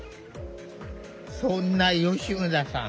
そんな吉村さん